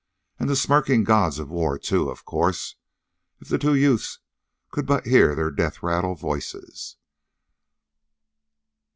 And the smirking gods of war, too, of course, if the two youths could but hear their death rattle voices!